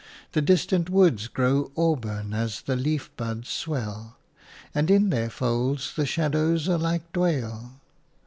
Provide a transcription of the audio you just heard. The distant woods grow auburn as the leaf buds swell, and in their folds the shadows are like dwale.